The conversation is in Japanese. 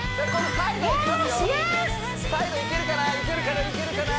サイドいけるかないけるかないけるかな？